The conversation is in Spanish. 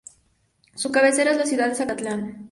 Su cabecera es la ciudad de Zacatlán.